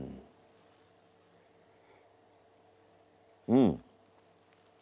うん！